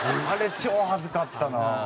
あれ超はずかったな。